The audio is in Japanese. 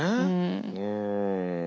うん。